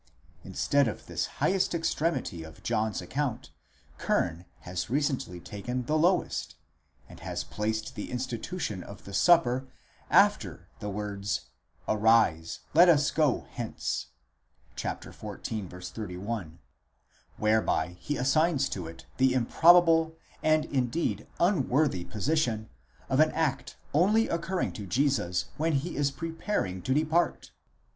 —Instead of this highest extremity of John's account, Kern has recently taken the lowest, and has placed the institution of the Supper after the words, Arise, let us go hence, xiv. 31 ;14 whereby he assigns to it the improbable and indeed unworthy position, of an act only occurring to Jesus when he is preparing to depart.